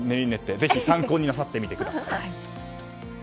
ぜひ参考になさってください。